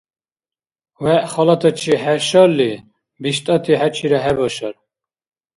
ВегӀ халатачи хӀешалли, биштӀати хӀечира хӀебашар.